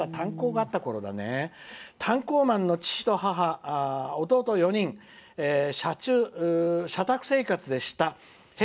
炭鉱マンの父と母弟４人、社宅生活でした。